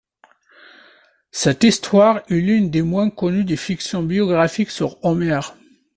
Cette histoire est l'une des moins connue des fictions biographiques sur Homère.